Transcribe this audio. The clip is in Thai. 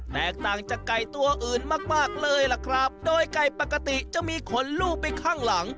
แตกต่างจากไก่ตัวอื่นมากมากเลยล่ะครับโดยไก่ปกติจะมีขนลูบไปข้างหลัง